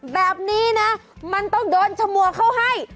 แบบนี้นะมันต้องโดนฉมัวเขาให้